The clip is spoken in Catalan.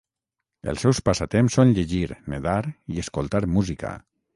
Els seus passatemps són llegir, nedar i escoltar música.